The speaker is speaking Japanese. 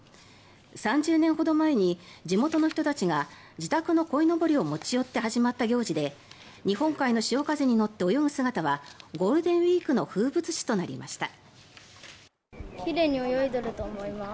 ３０年ほど前に地元の人たちが自宅のこいのぼりを持ち寄って始まった行事で日本海の潮風に乗って泳ぐ姿はゴールデンウィークの風物詩となりました。